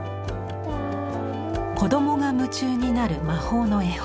子どもが夢中になる魔法の絵本。